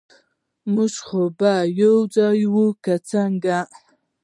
خو موږ به یو ځای یو، که څنګه؟